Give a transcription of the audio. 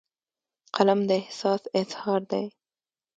قلم د احساس اظهار دی